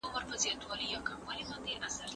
د لويي جرګې پرېکړه ولي د ټولو له پاره د منلو وړ وي؟